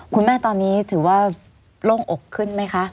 คุณแม่ตอนนี้ถือว่าโล่งอกขึ้นไหมคะ